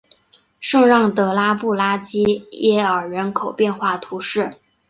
圣让德拉布拉基耶尔人口变化图示